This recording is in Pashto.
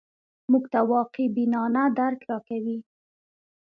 موږ ته واقع بینانه درک راکوي